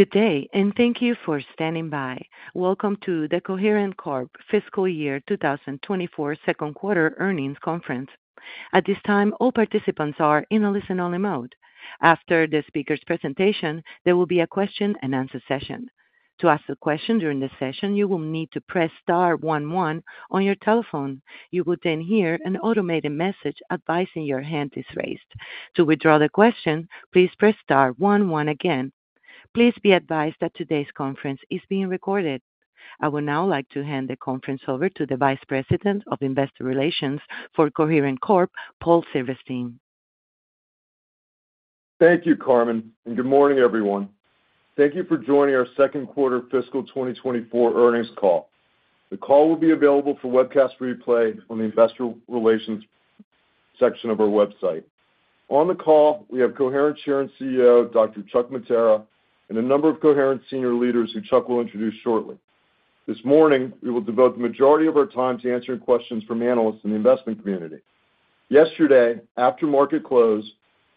Good day, and thank you for standing by. Welcome to the Coherent Corp Fiscal Year 2024 Q2 Earnings Conference. At this time, all participants are in a listen-only mode. After the speaker's presentation, there will be a question-and-answer session. To ask a question during the session, you will need to press star one one on your telephone. You will then hear an automated message advising your hand is raised. To withdraw the question, please press star one one again. Please be advised that today's conference is being recorded. I would now like to hand the conference over to the Vice President of Investor Relations for Coherent Corp, Paul Silverstein. Thank you, Carmen, and good morning, everyone. Thank you for joining our Q2 fiscal 2024 earnings call. The call will be available for webcast replay on the investor relations section of our website. On the call, we have Coherent Chair and CEO, Dr. Chuck Mattera, and a number of Coherent senior leaders who Chuck will introduce shortly. This morning, we will devote the majority of our time to answering questions from analysts in the investment community. Yesterday, after market close,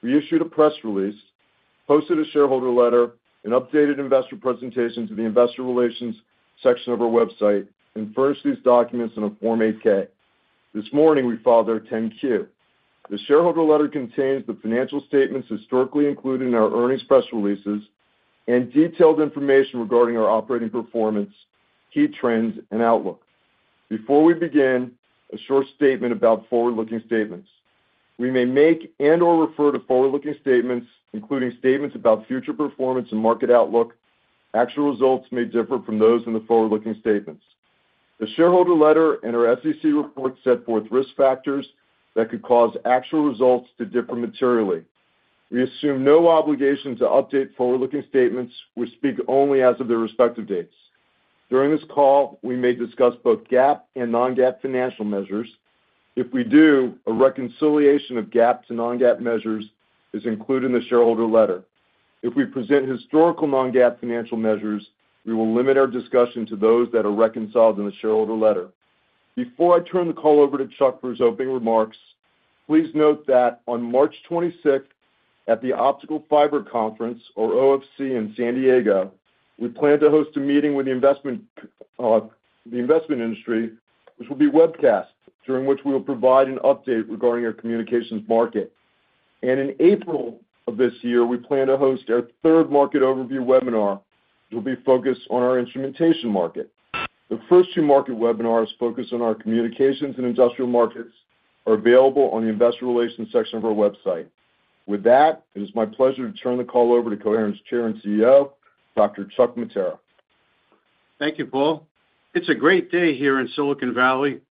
we issued a press release, posted a shareholder letter, an updated investor presentation to the investor relations section of our website, and filed these documents in a Form 8-K. This morning, we filed our Form 10-Q. The shareholder letter contains the financial statements historically included in our earnings press releases and detailed information regarding our operating performance, key trends, and outlook. Before we begin, a short statement about forward-looking statements. We may make and/or refer to forward-looking statements, including statements about future performance and market outlook. Actual results may differ from those in the forward-looking statements. The shareholder letter in our SEC report set forth risk factors that could cause actual results to differ materially. We assume no obligation to update forward-looking statements, which speak only as of their respective dates. During this call, we may discuss both GAAP and non-GAAP financial measures. If we do, a reconciliation of GAAP to non-GAAP measures is included in the shareholder letter. If we present historical non-GAAP financial measures, we will limit our discussion to those that are reconciled in the shareholder letter. Before I turn the call over to Chuck for his opening remarks, please note that on March 26th, at the Optical Fiber Conference, or OFC in San Diego, we plan to host a meeting with the investment, the investment industry, which will be webcast, during which we will provide an update regarding our communications market. In April of this year, we plan to host our third market overview webinar, which will be focused on our instrumentation market. The first two market webinars focused on our communications and industrial markets are available on the investor relations section of our website. With that, it is my pleasure to turn the call over to Coherent's Chair and CEO, Dr. Chuck Mattera. Thank you, Paul. It's a great day here in Silicon Valley,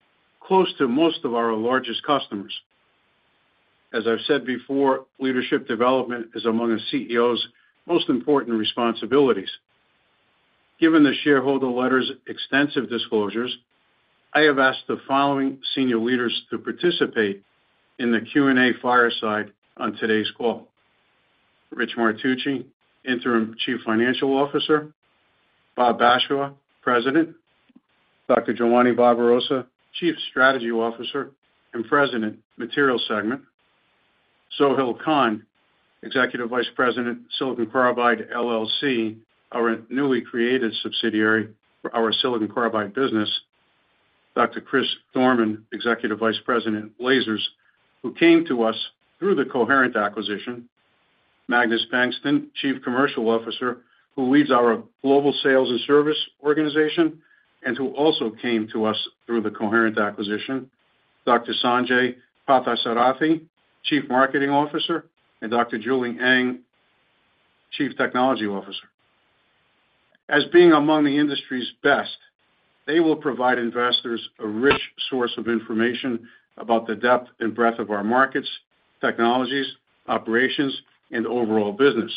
close to most of our largest customers. As I've said before, leadership development is among a CEO's most important responsibilities. Given the shareholder letter's extensive disclosures, I have asked the following senior leaders to participate in the Q&A fireside on today's call: Rich Martucci, Interim Chief Financial Officer, Bob Bashaw, President, Dr. Giovanni Barbarossa, Chief Strategy Officer and President, Materials Segment, Sohail Khan, Executive Vice President, Silicon Carbide LLC, our newly created subsidiary for our silicon carbide business, Dr. Chris Dorman, Executive Vice President, Lasers, who came to us through the Coherent acquisition. Magnus Bengtsson, Chief Commercial Officer, who leads our global sales and service organization and who also came to us through the Coherent acquisition, Dr. Sanjai Parthasarathi, Chief Marketing Officer, and Dr. Julie Eng, Chief Technology Officer. As being among the industry's best, they will provide investors a rich source of information about the depth and breadth of our markets, technologies, operations, and overall business.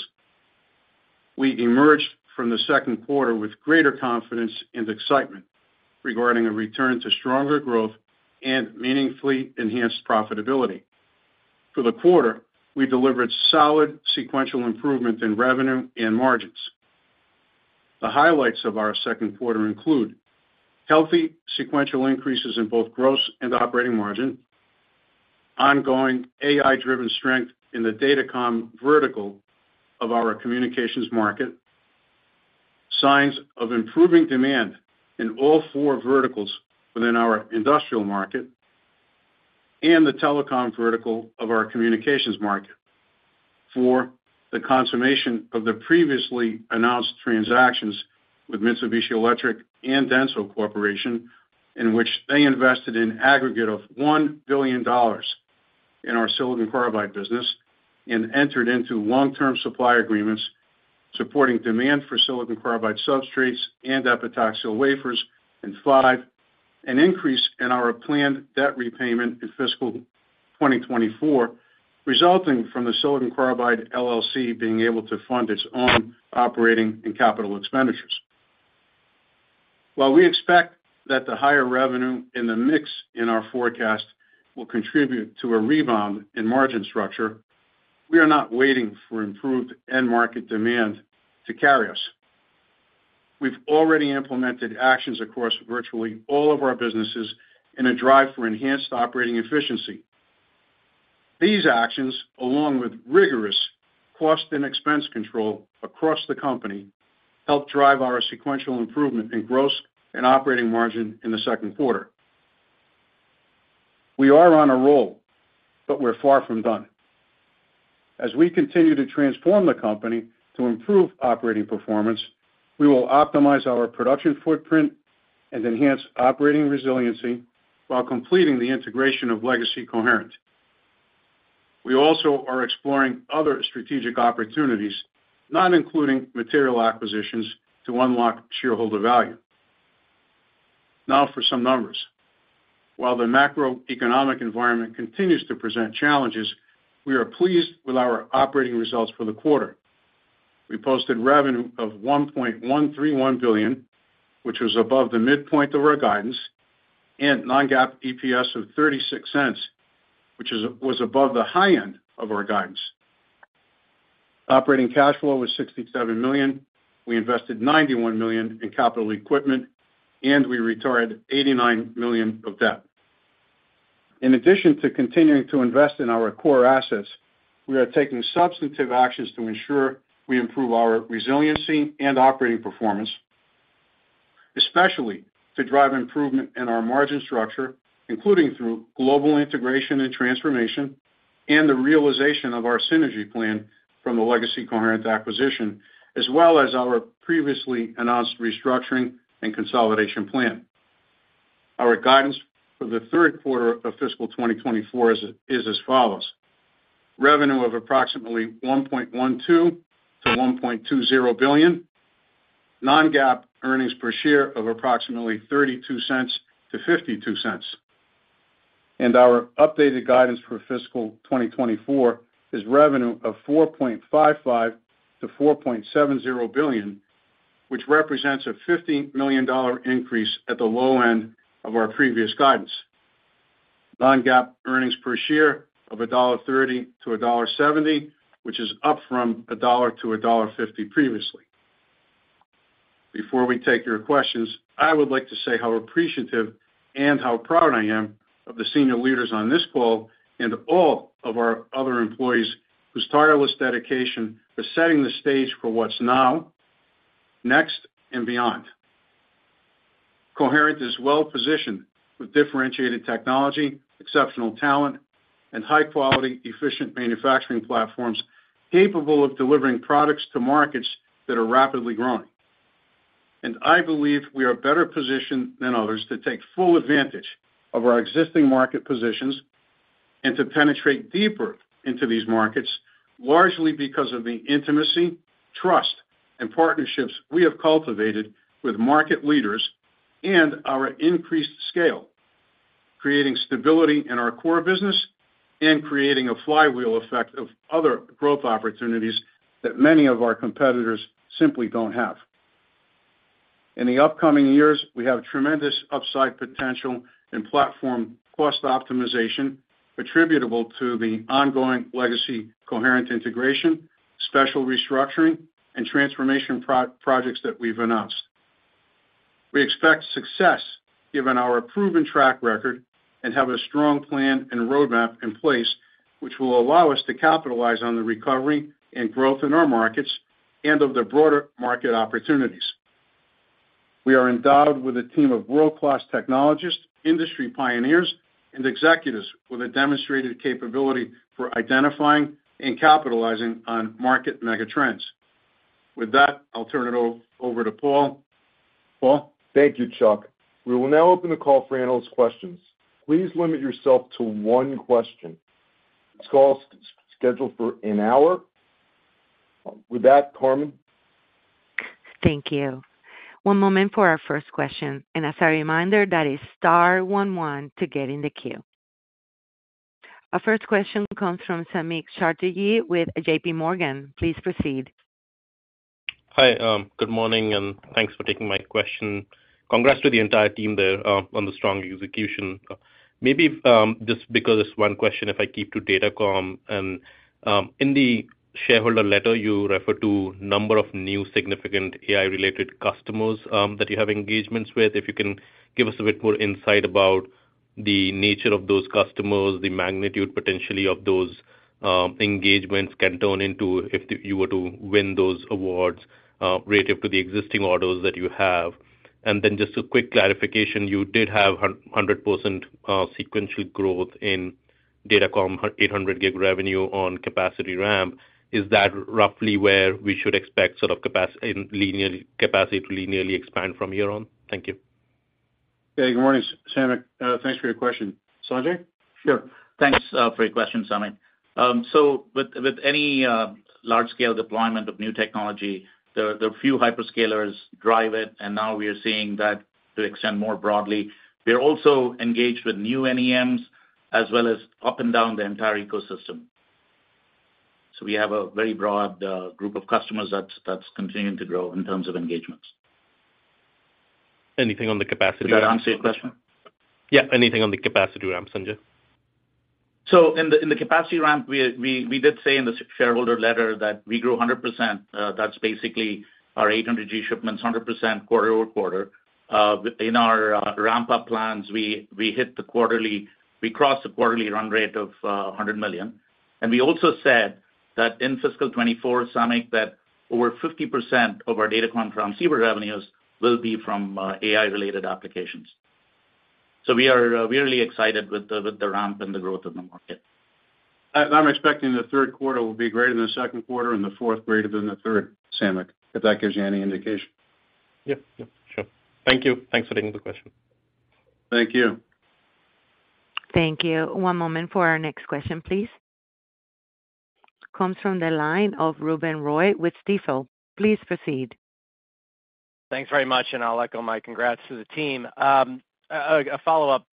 We emerged from the Q2 with greater confidence and excitement regarding a return to stronger growth and meaningfully enhanced profitability. For the quarter, we delivered solid sequential improvement in revenue and margins. The highlights of our Q2 include healthy sequential increases in both gross and operating margin, ongoing AI-driven strength in the datacom vertical of our communications market, signs of improving demand in all four verticals within our industrial market, and the telecom vertical of our communications market. Four, the consummation of the previously announced transactions with Mitsubishi Electric and DENSO Corporation, in which they invested an aggregate of $1 billion in our silicon carbide business and entered into long-term supply agreements supporting demand for silicon carbide substrates and epitaxial wafers. And five, an increase in our planned debt repayment in fiscal 2024, resulting from the Silicon Carbide LLC being able to fund its own operating and capital expenditures. While we expect that the higher revenue and the mix in our forecast will contribute to a rebound in margin structure, we are not waiting for improved end-market demand to carry us. We've already implemented actions across virtually all of our businesses in a drive for enhanced operating efficiency. These actions, along with rigorous cost and expense control across the company, helped drive our sequential improvement in gross and operating margin in the Q2. We are on a roll, but we're far from done. As we continue to transform the company to improve operating performance, we will optimize our production footprint and enhance operating resiliency while completing the integration of legacy Coherent. We also are exploring other strategic opportunities, not including material acquisitions, to unlock shareholder value. Now for some numbers. While the macroeconomic environment continues to present challenges, we are pleased with our operating results for the quarter. We posted revenue of $1.131 billion, which was above the midpoint of our guidance, and non-GAAP EPS of $0.36, which was above the high end of our guidance. Operating cash flow was $67 million. We invested $91 million in capital equipment, and we retired $89 million of debt. In addition to continuing to invest in our core assets, we are taking substantive actions to ensure we improve our resiliency and operating performance, especially to drive improvement in our margin structure, including through global integration and transformation, and the realization of our synergy plan from the legacy Coherent acquisition, as well as our previously announced restructuring and consolidation plan. Our guidance for the Q3 of fiscal 2024 is as follows: revenue of approximately $1.12 billion-$1.20 billion, non-GAAP earnings per share of approximately $0.32-$0.52. And our updated guidance for fiscal 2024 is revenue of $4.55 billion-$4.70 billion, which represents a $50 million increase at the low end of our previous guidance. Non-GAAP earnings per share of $1.30-$1.70, which is up from $1-$1.50 previously. Before we take your questions, I would like to say how appreciative and how proud I am of the senior leaders on this call and all of our other employees whose tireless dedication is setting the stage for what's now, next, and beyond. Coherent is well positioned with differentiated technology, exceptional talent, and high-quality, efficient manufacturing platforms, capable of delivering products to markets that are rapidly growing. I believe we are better positioned than others to take full advantage of our existing market positions and to penetrate deeper into these markets, largely because of the intimacy, trust, and partnerships we have cultivated with market leaders and our increased scale, creating stability in our core business and creating a flywheel effect of other growth opportunities that many of our competitors simply don't have. In the upcoming years, we have tremendous upside potential in platform cost optimization, attributable to the ongoing legacy Coherent integration, special restructuring, and transformation projects that we've announced. We expect success given our proven track record and have a strong plan and roadmap in place, which will allow us to capitalize on the recovery and growth in our markets and of the broader market opportunities. We are endowed with a team of world-class technologists, industry pioneers, and executives with a demonstrated capability for identifying and capitalizing on market megatrends. With that, I'll turn it over to Paul. Paul? Thank you, Chuck. We will now open the call for analyst questions. Please limit yourself to one question. This call is scheduled for an hour. With that, Carmen? Thank you. One moment for our first question, and as a reminder, that is star one one to get in the queue. Our first question comes from Samik Chatterjee with JPMorgan. Please proceed. Hi, good morning, and thanks for taking my question. Congrats to the entire team there, on the strong execution. Maybe, just because it's one question, if I keep to Datacom, and, in the shareholder letter, you refer to number of new significant AI-related customers, that you have engagements with. If you can give us a bit more insight about the nature of those customers, the magnitude potentially of those engagements can turn into if you were to win those awards, relative to the existing orders that you have. And then just a quick clarification, you did have 100% sequential growth in Datacom 800G revenue on capacity ramp. Is that roughly where we should expect sort of capacity to linearly expand from here on? Thank you. Hey, good morning, Samik. Thanks for your question. Sanjai? Sure. Thanks, for your question, Samik. So with any large-scale deployment of new technology, the few hyperscalers drive it, and now we are seeing that to extend more broadly. We are also engaged with new NEMs, as well as up and down the entire ecosystem. So we have a very broad group of customers that's continuing to grow in terms of engagements. Anything on the capacity? Did that answer your question? Yeah, anything on the capacity ramp, Sanjai? So in the capacity ramp, we did say in the shareholder letter that we grew 100%. That's basically our 800G shipments, 100% quarter-over-quarter. In our ramp-up plans, we hit the quarterly, we crossed the quarterly run rate of $100 million. And we also said that in fiscal 2024, Samik, that over 50% of our Datacom transceiver revenues will be from AI-related applications. So we are really excited with the ramp and the growth of the market. I'm expecting the Q3 will be greater than the Q2 and the fourth greater than the third, Samik, if that gives you any indication. Yep. Yep, sure. Thank you. Thanks for taking the question. Thank you. Thank you. One moment for our next question, please. Comes from the line of Ruben Roy with Stifel. Please proceed. Thanks very much, and I'll echo my congrats to the team. A follow-up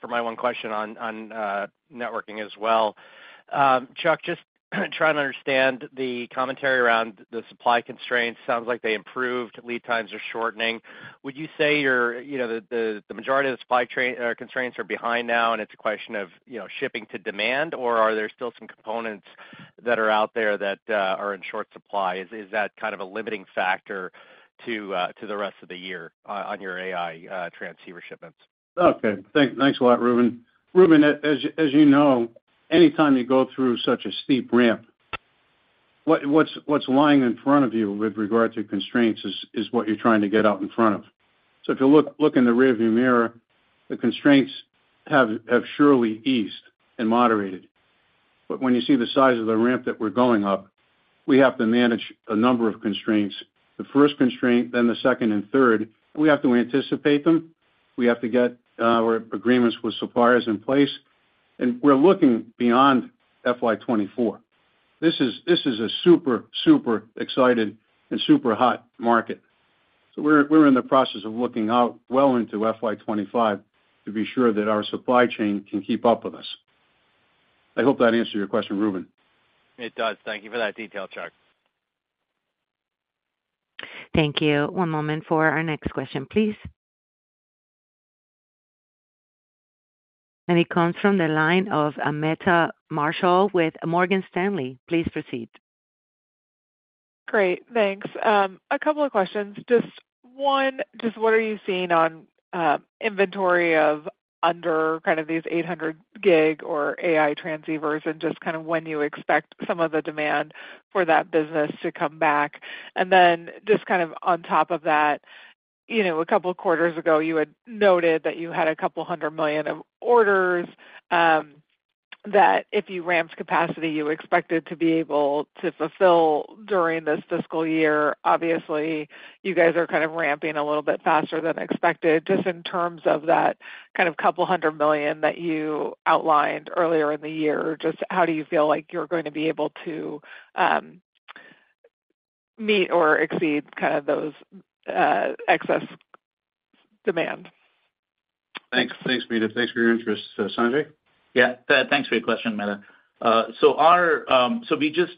for my one question on networking as well. Chuck, just trying to understand the commentary around the supply constraints. Sounds like they improved, lead times are shortening. Would you say you're, you know, the majority of the supply train constraints are behind now, and it's a question of, you know, shipping to demand? Or are there still some components that are out there that are in short supply? Is that kind of a limiting factor to the rest of the year on your AI transceiver shipments? Okay. Thanks a lot, Ruben. Ruben, as you know, anytime you go through such a steep ramp, what's lying in front of you with regard to constraints is what you're trying to get out in front of. So if you look in the rearview mirror, the constraints have surely eased and moderated. But when you see the size of the ramp that we're going up, we have to manage a number of constraints. The first constraint, then the second and third, we have to anticipate them. We have to get our agreements with suppliers in place, and we're looking beyond FY24. This is a super excited and super hot market. So we're in the process of looking out well into FY 2025 to be sure that our supply chain can keep up with us.I hope that answered your question, Ruben. It does. Thank you for that detail, Chuck. Thank you. One moment for our next question, please. It comes from the line of Meta Marshall with Morgan Stanley. Please proceed. Great, thanks. A couple of questions. Just one, just what are you seeing on inventory of under kind of these 800G or AI transceivers, and just kind of when you expect some of the demand for that business to come back? And then just kind of on top of that, you know, a couple of quarters ago, you had noted that you had a couple of hundred million of orders that if you ramped capacity, you expected to be able to fulfill during this fiscal year. Obviously, you guys are kind of ramping a little bit faster than expected. Just in terms of that kind ofa couple of hundred million that you outlined earlier in the year, just how do you feel like you're going to be able to meet or exceed kind of those excess demand? Thanks. Thanks, Meta. Thanks for your interest. Sanjai? Yeah, thanks for your question, Meta. So we just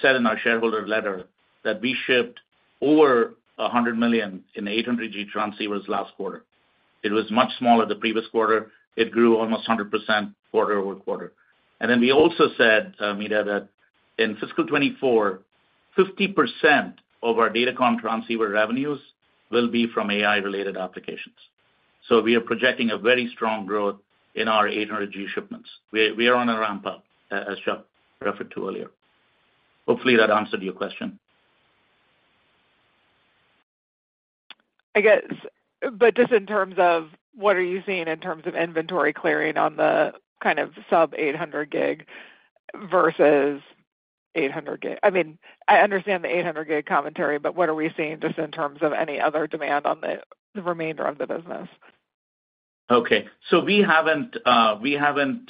said in our shareholder letter that we shipped over $100 million in the 800G transceivers last quarter. It was much smaller the previous quarter. It grew almost 100% quarter-over-quarter. And then we also said, Meta, that in fiscal 2024, 50% of our Datacom transceiver revenues will be from AI-related applications. So we are projecting a very strong growth in our 800G shipments. We, we are on a ramp up, as Chuck referred to earlier. Hopefully, that answered your question. I guess, but just in terms of what are you seeing in terms of inventory clearing on the kind of sub-800G versus 800G? I mean, I understand the 800G commentary, but what are we seeing just in terms of any other demand on the remainder of the business? Okay. So we haven't, we haven't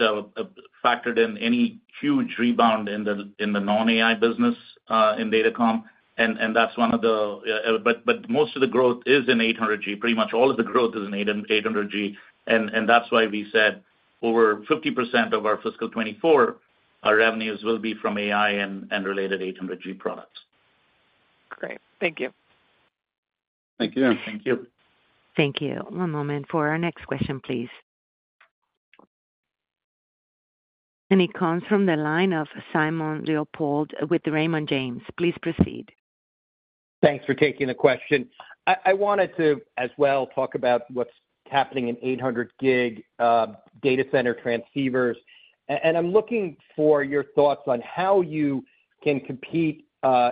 factored in any huge rebound in the non-AI business in Datacom, and that's one of the... But most of the growth is in 800G. Pretty much all of the growth is in 800G, and that's why we said over 50% of our fiscal 2024 revenues will be from AI and related 800G products. Great. Thank you. Thank you. Thank you. Thank you. One moment for our next question, please. It comes from the line of Simon Leopold with the Raymond James. Please proceed. Thanks for taking the question. I wanted to, as well, talk about what's happening in 800G data center transceivers. And I'm looking for your thoughts on how you can compete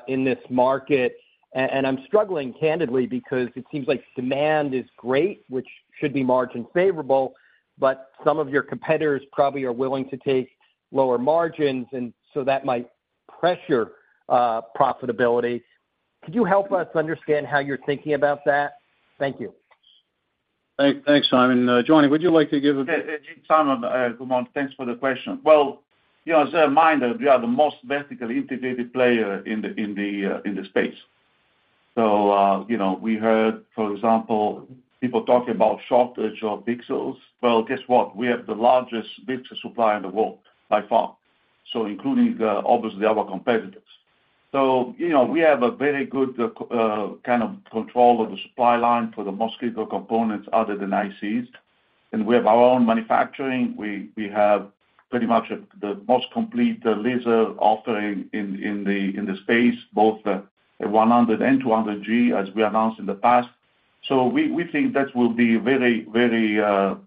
in this market, and I'm struggling candidly, because it seems like demand is great, which should be margin favorable, but some of your competitors probably are willing to take lower margins, and so that might pressure profitability. Could you help us understand how you're thinking about that? Thank you. Thanks, Simon. Giovanni, would you like to give a- Yeah, Simon, good morning. Thanks for the question. Well, you know, as a reminder, we are the most vertically integrated player in the, in the, in the space. So, you know, we heard, for example, people talking about shortage of pixels. Well, guess what? We have the largest pixel supply in the world by far, so including, obviously, our competitors. So, you know, we have a very good, kind of control of the supply line for the most critical components other than ICs, and we have our own manufacturing. We, we have pretty much the most complete laser offering in, in the, in the space, both the 100 and 200G, as we announced in the past. So we think that will be very, very,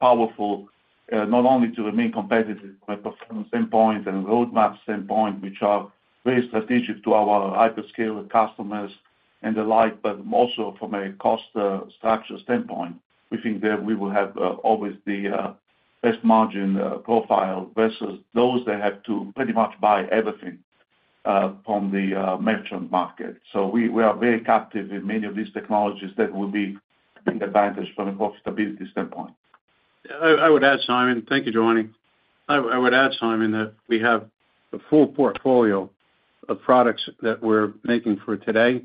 powerful, not only to remain competitive, but from standpoint and roadmap standpoint, which are very strategic to our hyperscaler customers and the like, but also from a cost, structure standpoint. We think that we will have, always the, best margin, profile versus those that have to pretty much buy everything, from the, merchant market. So we are very captive in many of these technologies that will be big advantage from a cost stability standpoint. I would add, Simon. Thank you, Giovanni. I would add, Simon, that we have a full portfolio of products that we're making for today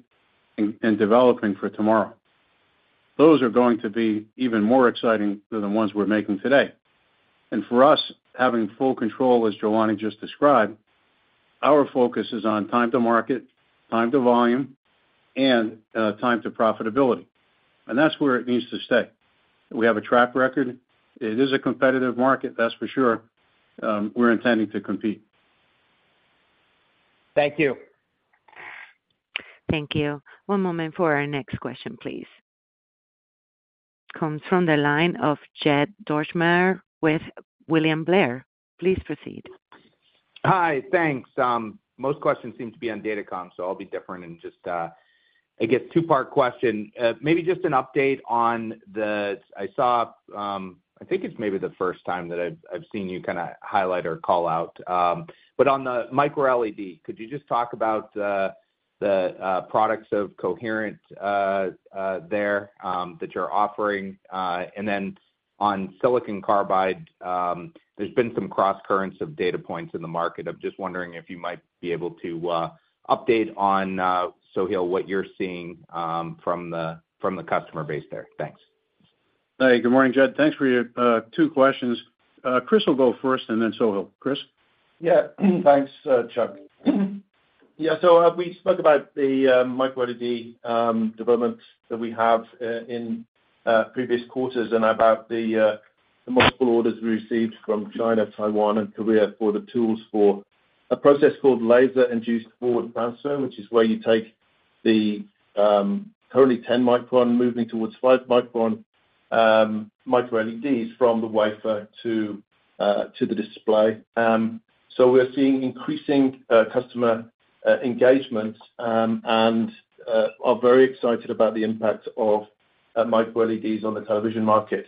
and developing for tomorrow. Those are going to be even more exciting than the ones we're making today. And for us, having full control, as Giovanni just described, our focus is on time to market, time to volume, and time to profitability, and that's where it needs to stay. We have a track record. It is a competitive market, that's for sure. We're intending to compete. Thank you. Thank you. One moment for our next question, please. Comes from the line of Jed Dorsheimer with William Blair. Please proceed. Hi, thanks. Most questions seem to be on Datacom, so I'll be different and just, I guess two-part question. Maybe just an update on the—I saw, I think it's maybe the first time that I've seen you kind of highlight or call out, but on the MicroLED, could you just talk about the products of Coherent there that you're offering? And then on Silicon Carbide, there's been some crosscurrents of data points in the market. I'm just wondering if you might be able to update on, Sohail, what you're seeing from the customer base there. Thanks. Hi, good morning, Jed. Thanks for your two questions. Chris will go first, and then Sohail. Chris? Yeah. Thanks, Chuck. Yeah, so, we spoke about the MicroLED development that we have in previous quarters and about the multiple orders we received from China, Taiwan, and Korea for the tools for a process called Laser-Induced Forward Transfer, which is where you take the currently 10-micron, moving towards 5-micron, MicroLEDs from the wafer to the display. So we're seeing increasing customer engagement and are very excited about the impact of MicroLEDs on the television market.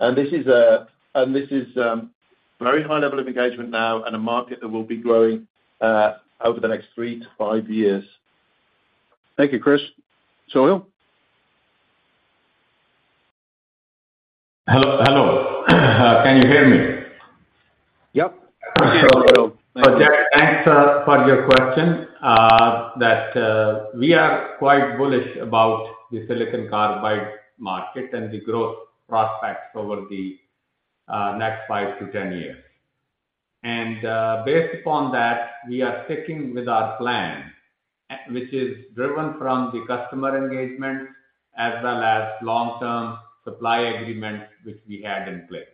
And this is a very high level of engagement now and a market that will be growing over the next three to five years. Thank you, Chris. Sohail? Hello, hello. Can you hear me? Yep. So Jed, thanks for your question. That we are quite bullish about the Silicon Carbide market and the growth prospects over the next five to 10 years. And based upon that, we are sticking with our plan, which is driven from the customer engagement as well as long-term supply agreements, which we have in place.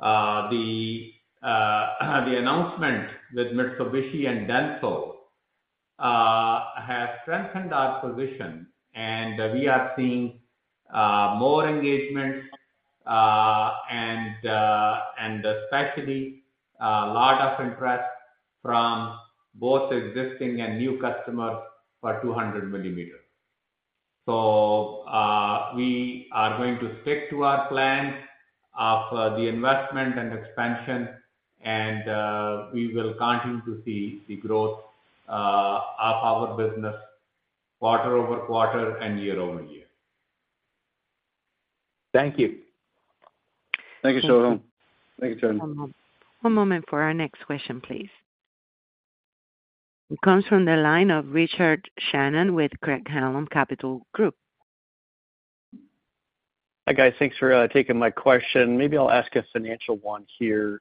The announcement with Mitsubishi and Denso has strengthened our position, and we are seeing more engagement, and especially lot of interest from both existing and new customers for 200 millimeters. So we are going to stick to our plan of the investment and expansion, and we will continue to see the growth of our business quarter-over-quarter and year-over-year. Thank you. Thank you, Sohail. Thank you, Giovanni. One moment. One moment for our next question, please. It comes from the line of Richard Shannon with Craig-Hallum Capital Group. Hi, guys. Thanks for taking my question. Maybe I'll ask a financial one here.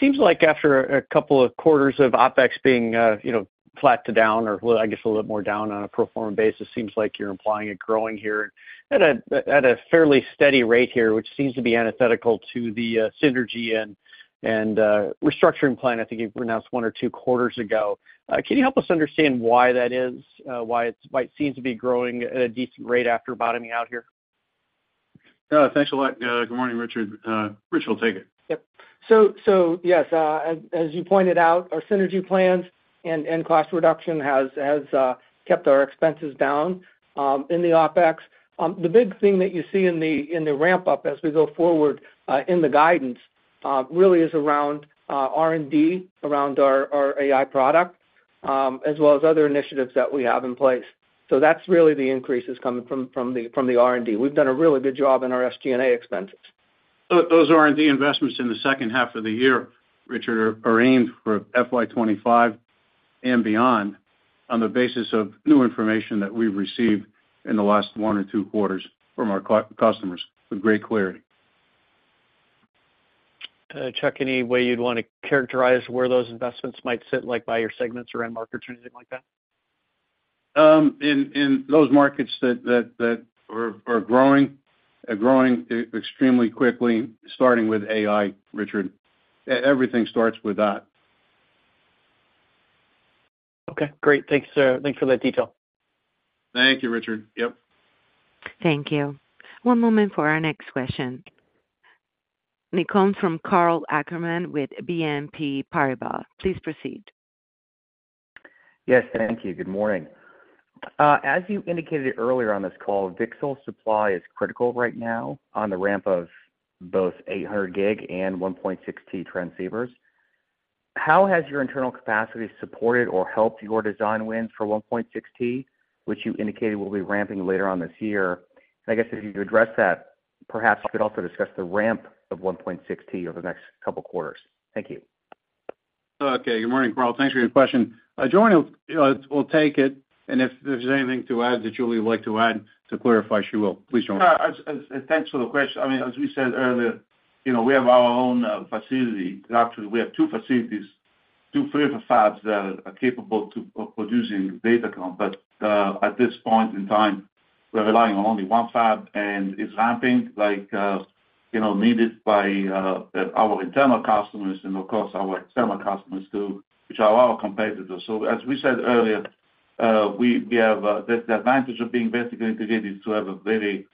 Seems like after a couple of quarters of OpEx being, you know, flat to down or, well, I guess, a little more down on a pro forma basis, seems like you're implying it growing here at a fairly steady rate here, which seems to be antithetical to the synergy and restructuring plan I think you've announced one or two quarters ago. Can you help us understand why that is? Why it seems to be growing at a decent rate after bottoming out here? Thanks a lot. Good morning, Richard. Rich will take it. Yep. So yes, as you pointed out, our synergy plans and cost reduction has kept our expenses down, in the OpEx. The big thing that you see in the ramp-up as we go forward, in the guidance, really is around R&D, around our AI product, as well as other initiatives that we have in place. So that's really the increases coming from the R&D. We've done a really good job in our SG&A expenses. So those R&D investments in the H2 of the year, Richard, are aimed for FY25 and beyond on the basis of new information that we've received in the last one or two quarters from our customers with great clarity. Chuck, any way you'd want to characterize where those investments might sit, like by your segments or end markets or anything like that? In those markets that are growing extremely quickly, starting with AI, Richard. Everything starts with that. Okay, great. Thanks, sir. Thanks for that detail. Thank you, Rich. Yep. Thank you. One moment for our next question. It comes from Karl Ackerman with BNP Paribas. Please proceed. Yes, thank you. Good morning. As you indicated earlier on this call, VCSEL supply is critical right now on the ramp of both 800G and 1.6T transceivers. How has your internal capacity supported or helped your design wins for 1.6T, which you indicated will be ramping later on this year? I guess if you could address that, perhaps you could also discuss the ramp of 1.6T over the next couple of quarters. Thank you. Okay. Good morning, Karl. Thanks for your question. Giovanni will, will take it, and if there's anything to add that Julie would like to add to clarify, she will. Please, Giovanni. Thanks for the question. I mean, as we said earlier, you know, we have our own facility. Actually, we have two facilities, two wafer fabs that are capable of producing Datacom. But at this point in time, we're relying on only one fab, and it's ramping like, you know, needed by our internal customers and, of course, our external customers too, which are our competitors. So as we said earlier, we have the advantage of being vertically integrated is to have a very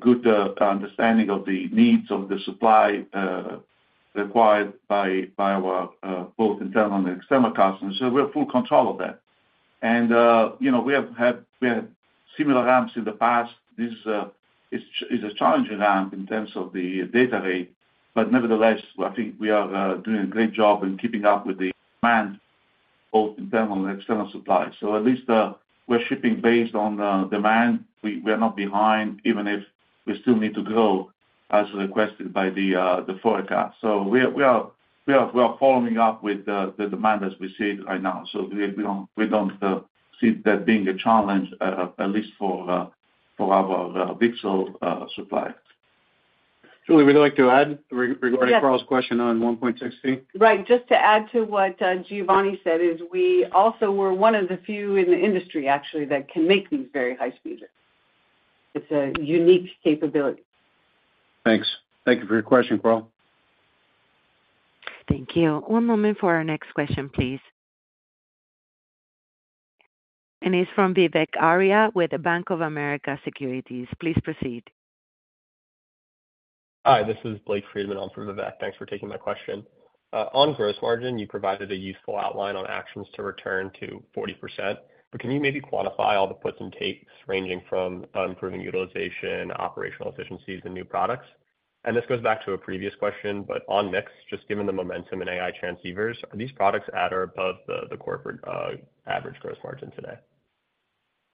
good understanding of the needs of the supply required by our both internal and external customers. So we have full control of that. And you know, we had similar ramps in the past. This is a challenging ramp in terms of the data rate, but nevertheless, I think we are doing a great job in keeping up with the demand, both internal and external supply. So at least, we're shipping based on demand. We are not behind, even if we still need to grow as requested by the forecast. So we are following up with the demand as we see it right now. So we don't see that being a challenge, at least for our VCSEL supply. Julie, would you like to add regarding- Yes. Karl's question on 1.6T? Right. Just to add to what Giovanni said is we also were one of the few in the industry, actually, that can make these very high speed. It's a unique capability. Thanks. Thank you for your question, Karl. Thank you. One moment for our next question, please. It's from Vivek Arya with Bank of America Securities. Please proceed. Hi, this is Blake Friedman in for Vivek. Thanks for taking my question. On gross margin, you provided a useful outline on actions to return to 40%, but can you maybe quantify all the puts and takes, ranging from improving utilization, operational efficiencies and new products? This goes back to a previous question, but on mix, just given the momentum in AI transceivers, are these products at or above the corporate average gross margin today?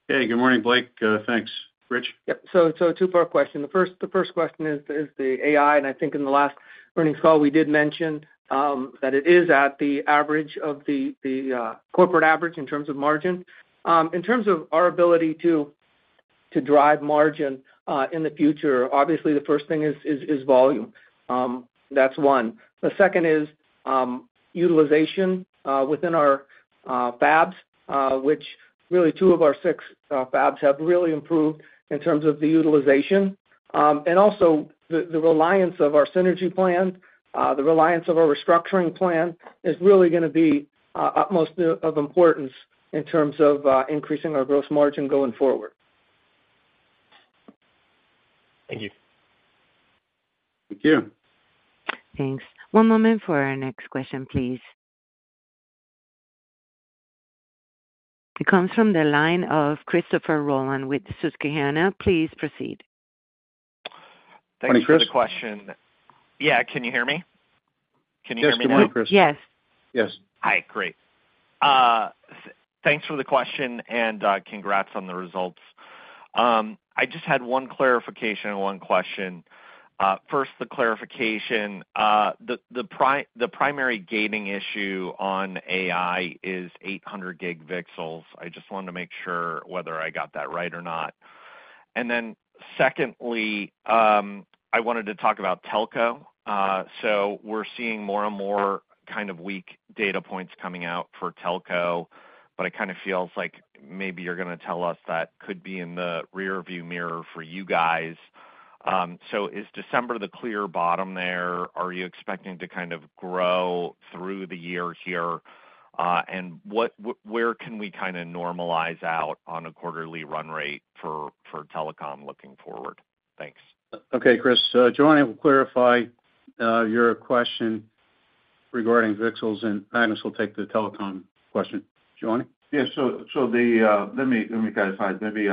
Hey, good morning, Blake. Thanks. Rich? Yep. So, two-part question. The first question is the AI, and I think in the last earnings call, we did mention that it is at the average of the corporate average in terms of margin. In terms of our ability to drive margin in the future, obviously, the first thing is volume. That's one. The second is utilization within our fabs, which really two of our six fabs have really improved in terms of the utilization. And also the reliance of our synergy plan, the reliance of our restructuring plan is really going to be utmost of importance in terms of increasing our gross margin going forward. Thank you. Thank you. Thanks. One moment for our next question, please. It comes from the line of Christopher Rolland with Susquehanna. Please proceed. Morning, Chris. Thanks for the question. Yeah, can you hear me? Can you hear me now? Yes, good morning, Chris. Yes. Yes. Hi. Great. Thanks for the question, and, congrats on the results. I just had one clarification and one question. First, the clarification. The primary gating issue on AI is 800G VCSELs. I just wanted to make sure whether I got that right or not. And then secondly, I wanted to talk about telco. So we're seeing more and more kind of weak data points coming out for telco, but it kind of feels like maybe you're going to tell us that could be in the rearview mirror for you guys. So is December the clear bottom there? Are you expecting to kind of grow through the year here? And where can we kind of normalize out on a quarterly run rate for telecom looking forward? Thanks. Okay, Chris. Giovanni will clarify your question regarding VCSELs, and I just will take the telecom question. Giovanni? Yes, so, let me clarify. Let me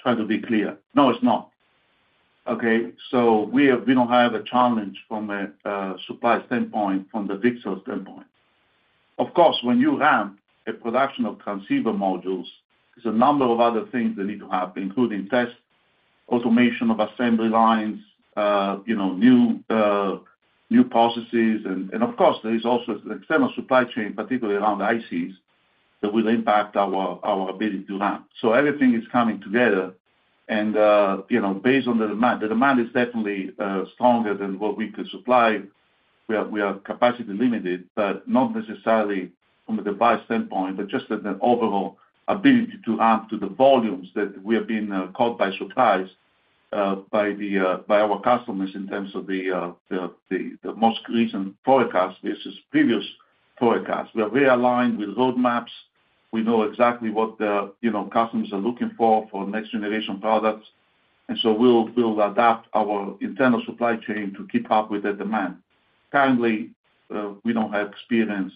try to be clear. No, it's not. Okay, so we have - we don't have a challenge from a supply standpoint, from the VCSEL standpoint. Of course, when you ramp a production of transceiver modules, there's a number of other things that need to happen, including test, automation of assembly lines, you know, new processes. And, of course, there is also an external supply chain, particularly around the ICs, that will impact our ability to ramp. So everything is coming together. And, you know, based on the demand, the demand is definitely stronger than what we could supply. We are capacity limited, but not necessarily from a device standpoint, but just as an overall ability to add to the volumes that we have been caught by surprise by the, by our customers in terms of the most recent forecast versus previous forecast. We are realigned with roadmaps. We know exactly what the, you know, customers are looking for next-generation products, and so we'll adapt our internal supply chain to keep up with the demand. Currently, we don't have experience.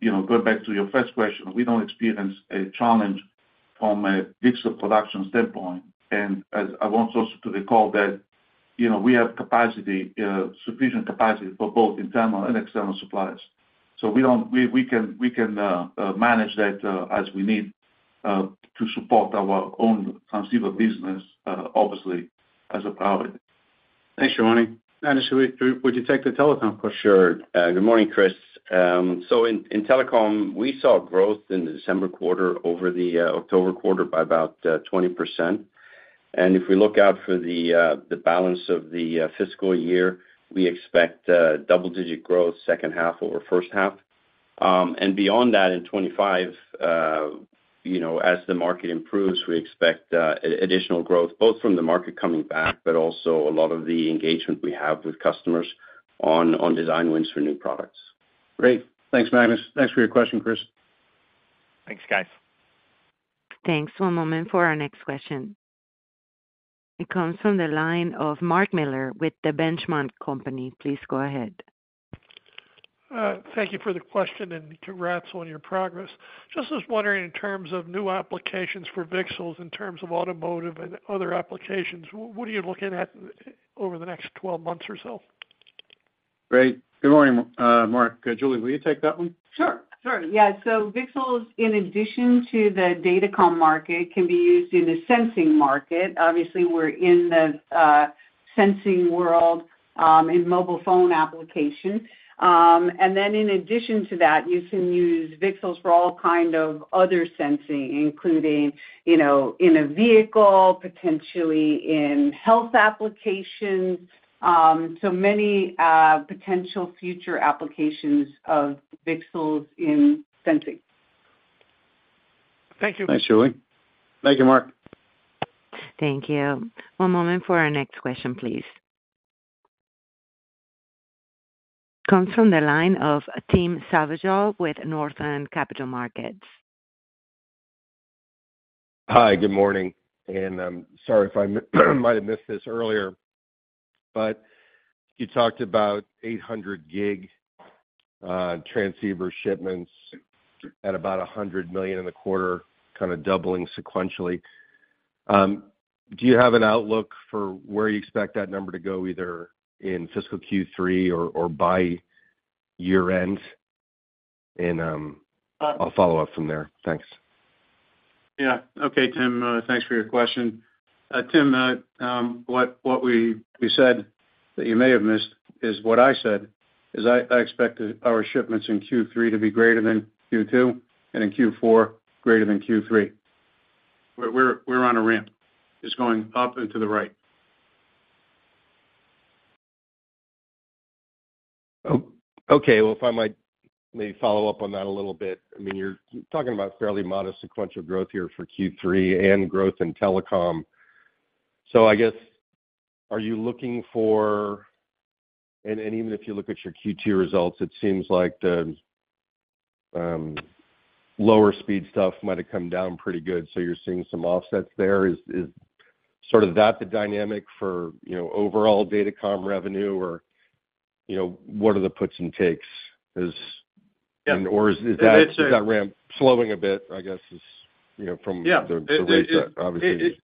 You know, going back to your first question, we don't experience a challenge from a VCSEL production standpoint. And as I want us to recall that, you know, we have capacity, sufficient capacity for both internal and external suppliers. So we don't- we can manage that, as we need, to support our own transceiver business, obviously, as a priority. Thanks, Giovanni. Magnus, would you take the telecom question? Sure. Good morning, Chris. So in telecom, we saw growth in the December quarter over the October quarter by about 20%. And if we look out for the balance of the fiscal year, we expect double-digit growth, H2 over H1. And beyond that, in 2025, you know, as the market improves, we expect additional growth, both from the market coming back, but also a lot of the engagement we have with customers on design wins for new products. Great. Thanks, Magnus. Thanks for your question, Chris. Thanks, guys. Thanks. One moment for our next question. It comes from the line of Mark Miller with the Benchmark Company. Please go ahead. Thank you for the question and congrats on your progress. Just was wondering in terms of new applications for VCSELs, in terms of automotive and other applications, what are you looking at over the next 12 months or so? Great. Good morning, Mark. Julie, will you take that one? Sure, sure. Yeah, so VCSELs, in addition to the datacom market, can be used in the sensing market. Obviously, we're in the sensing world, in mobile phone application. And then in addition to that, you can use VCSELs for all kind of other sensing, including, you know, in a vehicle, potentially in health applications. So many potential future applications of VCSELs in sensing. Thank you. Thanks, Julie. Thank you, Mark. Thank you. One moment for our next question, please. Comes from the line of Tim Savageaux with Northland Capital Markets. Hi, good morning, and, sorry if I might have missed this earlier, but you talked about 800G transceiver shipments at about $100 million in the quarter, kind of doubling sequentially. Do you have an outlook for where you expect that number to go, either in fiscal Q3 or by year-end? And, I'll follow up from there. Thanks. Yeah. Okay, Tim, thanks for your question. Tim, what we said, that you may have missed, is what I said is I expect our shipments in Q3 to be greater than Q2, and in Q4 greater than Q3. We're on a ramp. It's going up and to the right. Okay. Well, if I might maybe follow up on that a little bit. I mean, you're talking about fairly modest sequential growth here for Q3 and growth in telecom. So I guess, are you looking for... And even if you look at your Q2 results, it seems like the lower speed stuff might have come down pretty good, so you're seeing some offsets there. Is sort of that the dynamic for, you know, overall datacom revenue, or, you know, what are the puts and takes? Is- Yeah. And/or is that- It's, uh- ramp slowing a bit, I guess, is, you know, from Yeah the rate that obviously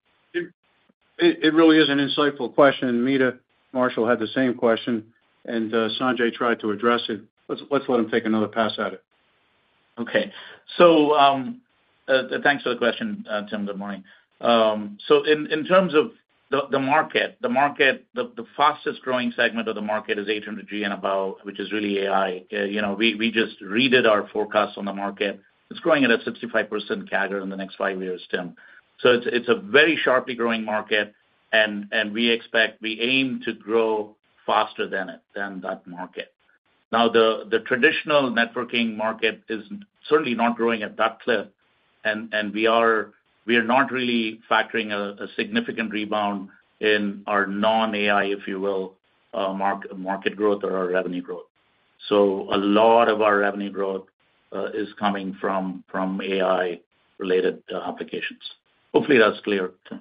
It really is an insightful question, and Meta Marshall had the same question, and Sanjai tried to address it. Let's let him take another pass at it. Okay. So, thanks for the question, Tim. Good morning. So in terms of the market, the fastest growing segment of the market is 800G and above, which is really AI. You know, we just redid our forecast on the market. It's growing at a 65% CAGR in the next five years, Tim. So it's a very sharply growing market, and we expect we aim to grow faster than it, than that market. Now, the traditional networking market is certainly not growing at that clip, and we are not really factoring a significant rebound in our non-AI, if you will, market growth or our revenue growth. So a lot of our revenue growth is coming from AI-related applications. Hopefully, that's clear, Tim.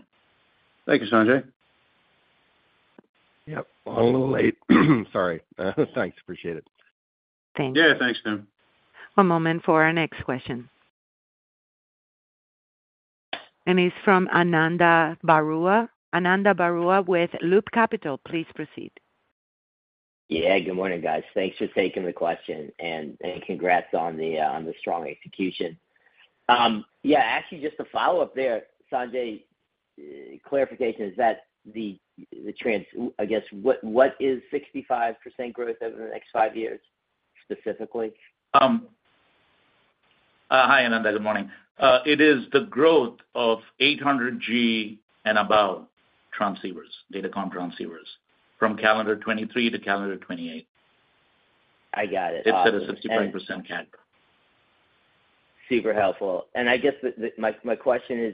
Thank you, Sanjai. Yep, a little late. Sorry. Thanks, appreciate it. Thank you. Yeah, thanks, Tim. One moment for our next question. It's from Ananda Baruah. Ananda Baruah with Loop Capital. Please proceed. Yeah, good morning, guys. Thanks for taking the question, and congrats on the, on the strong execution. Yeah, actually, just to follow up there, Sanjai, clarification, is that the trans- I guess, what, what is 65% growth over the next five years, specifically? Hi, Ananda, good morning. It is the growth of 800G and above transceivers, datacom transceivers, from calendar 2023 to calendar 2028. I got it. It's at a 65% CAGR. Super helpful. And I guess my question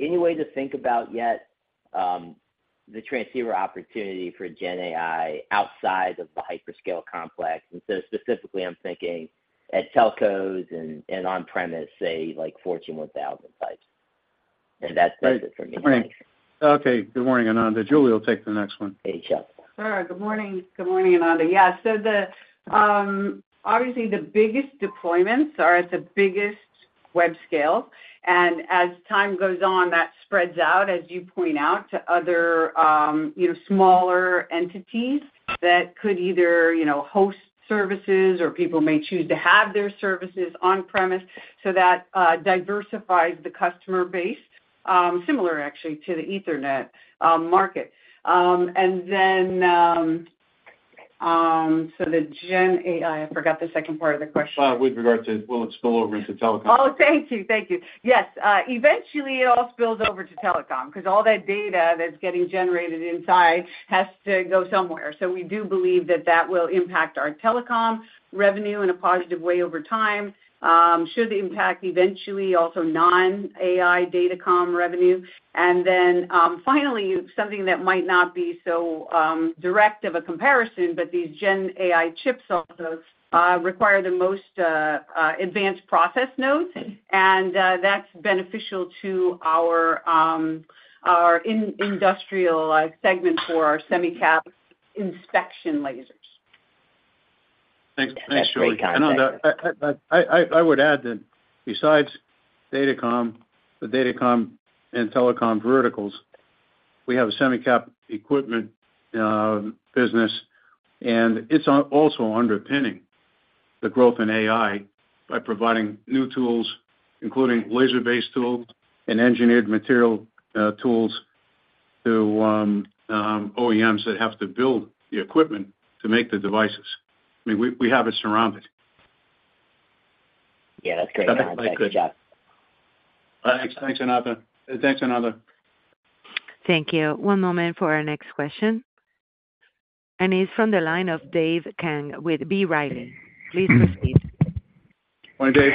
is any way to think about yet the transceiver opportunity for Gen AI outside of the hyperscale complex? And so specifically, I'm thinking at telcos and on-premise, say, like Fortune 1000 types. And that does it for me. Great. Okay. Good morning, Ananda. Julie will take the next one. Hey, Chuck. Sure. Good morning. Good morning, Ananda. Yeah, so the obviously, the biggest deployments are at the biggest web scale, and as time goes on, that spreads out, as you point out, to other, you know, smaller entities that could either, you know, host services or people may choose to have their services on-premise. So that diversifies the customer base, similar actually to the Ethernet market. And then, so the Gen AI, I forgot the second part of the question. With regard to, will it spill over into Telecom? Oh, thank you. Thank you. Yes, eventually, it all spills over to telecom because all that data that's getting generated inside has to go somewhere. So we do believe that that will impact our telecom revenue in a positive way over time. Should impact eventually also non-AI datacom revenue. And then, finally, something that might not be so direct of a comparison, but these Gen AI chips also require the most advanced process nodes, and that's beneficial to our industrial segment for our semicap inspection lasers. Thanks. Thanks, Julie. That's great context. And Ananda, I would add that besides datacom, the datacom and telecom verticals, we have a semicap equipment business, and it's also underpinning the growth in AI by providing new tools, including laser-based tools and engineered material tools, to OEMs that have to build the equipment to make the devices. I mean, we have it surrounded. Yeah, that's great. Thanks. Thanks, Ananda. Thanks, Ananda. Thank you. One moment for our next question, and it's from the line of Dave Kang with B. Riley. Please proceed. Hi, Dave.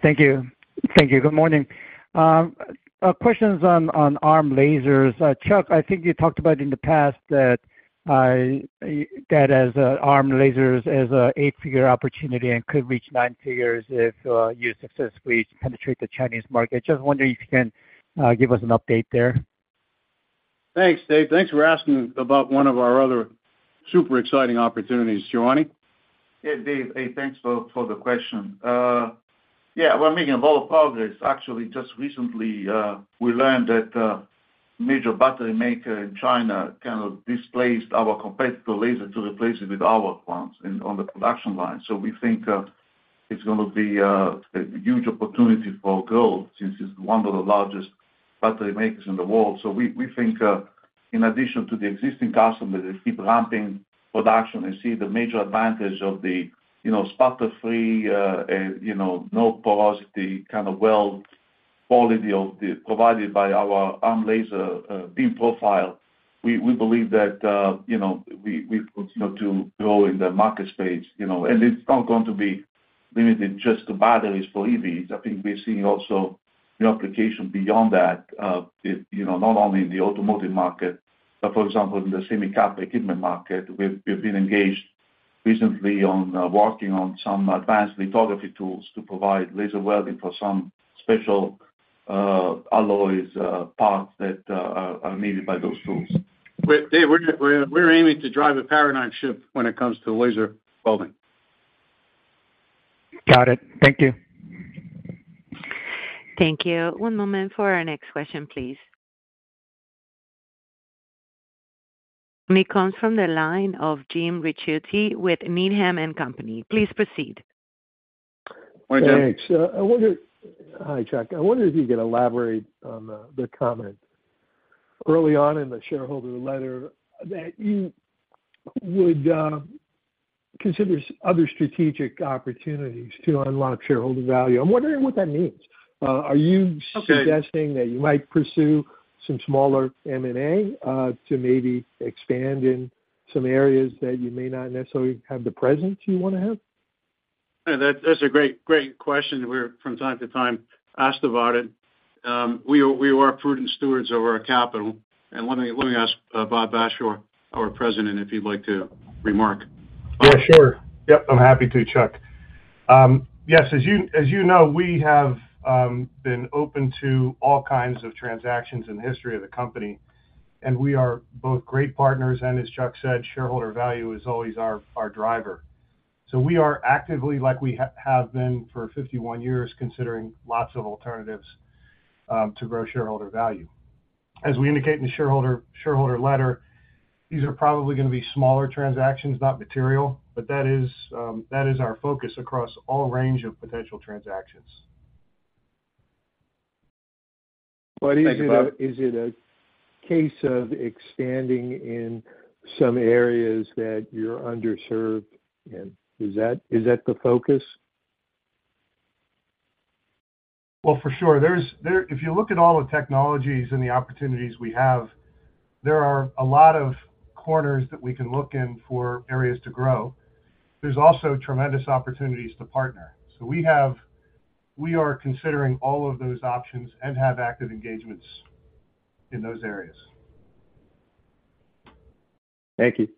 Thank you. Thank you. Good morning. Questions on ARM lasers. Chuck, I think you talked about in the past that ARM lasers as an eight-figure opportunity and could reach nine figures if you successfully penetrate the Chinese market. Just wondering if you can give us an update there. Thanks, Dave. Thanks for asking about one of our other super exciting opportunities. Giovanni? Yeah, Dave, hey, thanks for the question. Yeah, we're making a lot of progress. Actually, just recently, we learned that a major battery maker in China kind of displaced our competitor laser to replace it with our ones on the production line. So we think it's gonna be a huge opportunity for growth since it's one of the largest battery makers in the world. So we think, in addition to the existing customers, they keep ramping production and see the major advantage of the, you know, sputter-free, and, you know, no porosity, kind of well quality of the provided by our ARM laser beam profile. We believe that, you know, we continue to grow in the market space, you know, and it's not going to be limited just to batteries for EVs. I think we're seeing also new application beyond that, you know, not only in the automotive market, but, for example, in the semi cap equipment market. We've been engaged recently on working on some advanced lithography tools to provide laser welding for some special alloys parts that are needed by those tools. Dave, we're aiming to drive a paradigm shift when it comes to laser welding. Got it. Thank you. Thank you. One moment for our next question, please. It comes from the line of Jim Ricchiuti with Needham & Company. Please proceed. Hi, Jim. Thanks. I wonder... Hi, Chuck. I wonder if you could elaborate on the comment early on in the shareholder letter that you would consider other strategic opportunities to unlock shareholder value. I'm wondering what that means. Are you- Okay. - suggesting that you might pursue some smaller M&A, to maybe expand in some areas that you may not necessarily have the presence you want to have? That, that's a great, great question. We're from time to time asked about it. We are prudent stewards over our capital, and let me ask Bob Bashaw, our President, if he'd like to remark. Yeah, sure. Yep, I'm happy to, Chuck. Yes, as you know, we have been open to all kinds of transactions in the history of the company, and we are both great partners, and as Chuck said, shareholder value is always our driver. So we are actively, like we have been for 51 years, considering lots of alternatives to grow shareholder value. As we indicate in the shareholder letter, these are probably gonna be smaller transactions, not material, but that is our focus across all range of potential transactions. Thank you, Bob. But is it a case of expanding in some areas that you're underserved, and is that the focus? Well, for sure. If you look at all the technologies and the opportunities we have, there are a lot of corners that we can look in for areas to grow. There's also tremendous opportunities to partner. So we are considering all of those options and have active engagements in those areas. Thank you.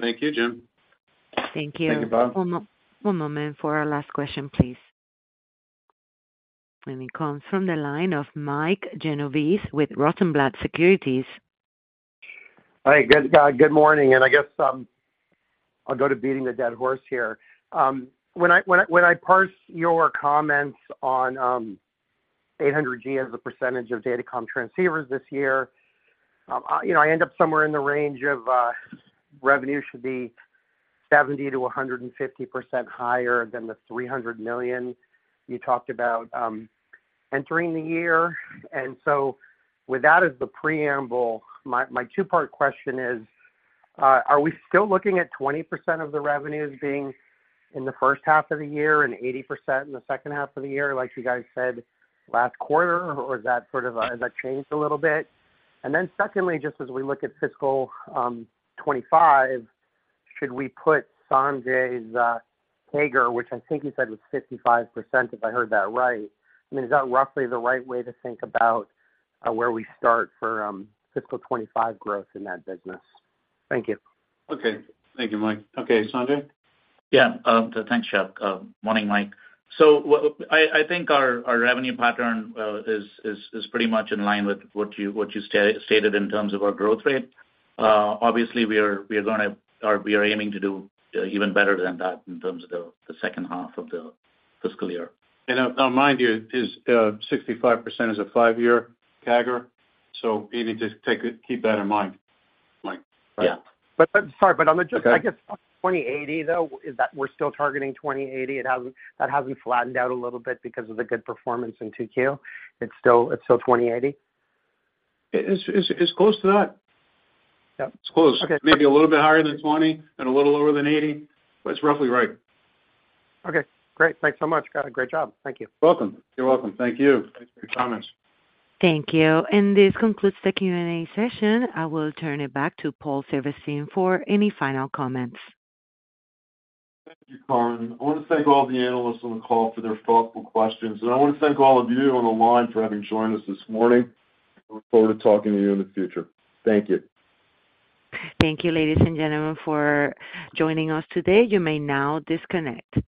Thank you, Jim. Thank you. Thank you, Bob. One moment for our last question, please. It comes from the line of Mike Genovese with Rosenblatt Securities. Hi, guys. Good morning, and I guess, I'll go to beating the dead horse here. When I, when I, when I parse your comments on, 800G as a percentage of Datacom transceivers this year, I, you know, I end up somewhere in the range of, revenue should be 70%-150% higher than the $300 million you talked about, entering the year. And so with that as the preamble, my, my two-part question is, are we still looking at 20% of the revenues being in the H1 of the year and 80% in the H2 of the year, like you guys said last quarter, or is that sort of, has that changed a little bit? And then secondly, just as we look at fiscal 2025, should we put Sanjai's CAGR, which I think you said was 55%, if I heard that right. I mean, is that roughly the right way to think about where we start for fiscal 2025 growth in that business? Thank you. Okay. Thank you, Mike. Okay, Sanjai? Yeah, thanks, Chuck. Morning, Mike. So, I think our revenue pattern is pretty much in line with what you stated in terms of our growth rate. Obviously, we are gonna aim to do even better than that in terms of the H2 of the fiscal year. Now mind you, is 65% is a five-year CAGR, so maybe just take it, keep that in mind, Mike. Yeah. Sorry, but on the just- Okay. I guess, 20-80, though, is that we're still targeting 20-80. It hasn't, that hasn't flattened out a little bit because of the good performance in 2Q. It's still, it's still 20-80? It's close to that. Yep. It's close. Okay. Maybe a little bit higher than 20 and a little lower than 80, but it's roughly right. Okay, great. Thanks so much. Got a great job. Thank you. Welcome. You're welcome. Thank you. Thanks for your comments. Thank you. This concludes the Q&A session. I will turn it back to Paul Silverstein for any final comments. Thank you, Carmen. I want to thank all the analysts on the call for their thoughtful questions, and I want to thank all of you on the line for having joined us this morning. I look forward to talking to you in the future. Thank you. Thank you, ladies and gentlemen, for joining us today. You may now disconnect.